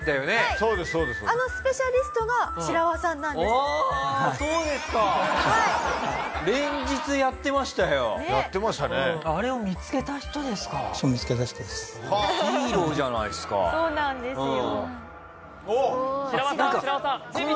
そうなんですよ。